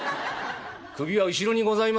「首は後ろにございますので」。